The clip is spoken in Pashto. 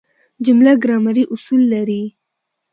جمله ګرامري اصول لري.